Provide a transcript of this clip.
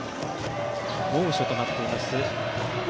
猛暑となっています